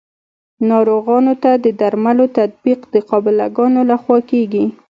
ناروغانو ته د درملو تطبیق د قابله ګانو لخوا کیږي.